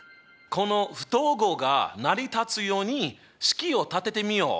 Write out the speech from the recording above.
この不等号が成り立つように式を立ててみよう。